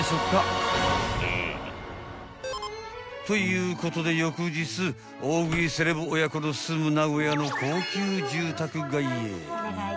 ［ということで翌日大食いセレブ親子の住む名古屋の高級住宅街へ］